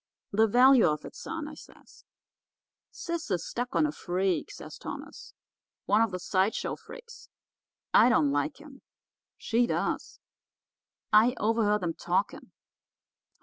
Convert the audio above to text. "'The value of it, son,' I says. "'Sis is stuck on a freak,' says Thomas, 'one of the side show freaks. I don't like him. She does. I overheard 'em talking.